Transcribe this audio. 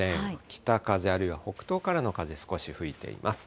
北風、あるいは北東からの風、少し吹いています。